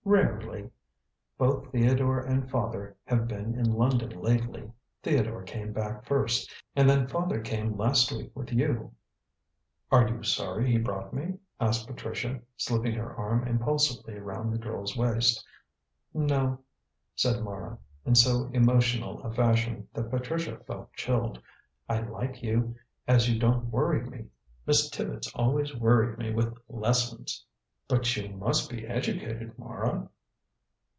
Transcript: "Rarely. Both Theodore and father have been in London lately. Theodore came back first, and then father came last week with you." "Are you sorry he brought me?" asked Patricia, slipping her arm impulsively round the girl's waist. "No," said Mara, in so unemotional a fashion that Patricia felt chilled. "I like you, as you don't worry me. Miss Tibbets always worried me with lessons." "But you must be educated, Mara?"